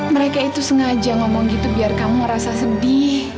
mereka itu sengaja ngomong gitu biar kamu ngerasa sedih